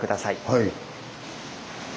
はい。